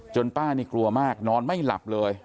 ป้านี่กลัวมากนอนไม่หลับเลย